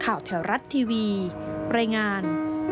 แถวรัฐทีวีรายงาน